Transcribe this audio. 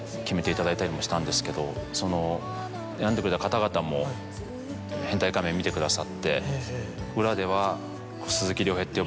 その選んでくれた方々も『変態仮面』見てくださって裏では。